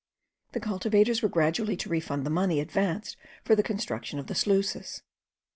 The cultivators were gradually to refund the money advanced for the construction of the sluices.